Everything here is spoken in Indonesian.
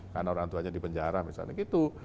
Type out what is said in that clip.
karena orang tuanya di penjara misalnya gitu